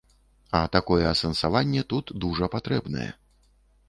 А такое асэнсаванне тут дужа патрэбнае.